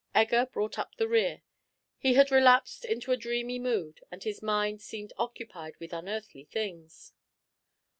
Egger brought up the rear; he had relapsed into a dreamy mood, and his mind seemed occupied with unearthly things.